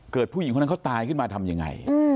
ผู้หญิงคนนั้นเขาตายขึ้นมาทำยังไง